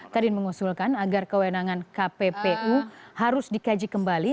kadin mengusulkan agar kewenangan kppu harus dikaji kembali